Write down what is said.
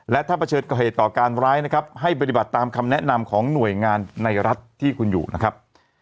และถ้าเผชิญกับเหตุต่อการร้ายนะครับให้ปฏิบัติตามคำแนะนำของหน่วยงานในรัฐที่คุณอยู่นะครับ